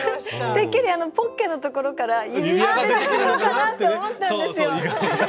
てっきりポッケのところから指輪が出てくるのかなって思ったんですよ。